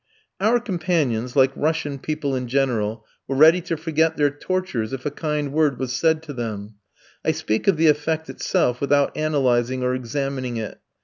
Our companions, like Russian people in general, were ready to forget their tortures if a kind word was said to them; I speak of the effect itself without analysing or examining it.